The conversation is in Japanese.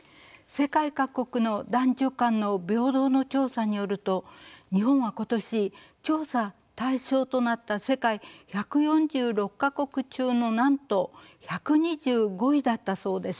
世界各国の男女間の平等の調査によると日本は今年調査対象となった世界１４６か国中のなんと１２５位だったそうです。